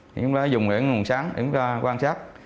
chúng ta dùng những cái nguồn sáng để chúng ta quan sát